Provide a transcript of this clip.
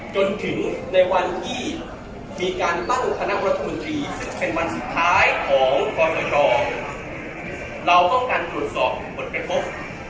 จนถึงในวันที่มีการตั้งคณะรัฐมนตรีซึ่งเป็นวันสุดท้ายของกรทเราต้องการตรวจสอบผลกระทบ